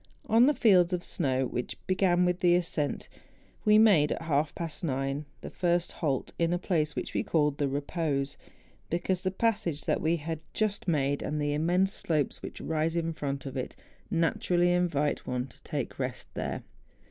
On the fields of snow, which began with the ascent, we made, at half past nine, the first halt in a place which we called the Eepose, because the passage that we had just made, and the immense slopes which rise in front of it, naturally invite one to take rest there.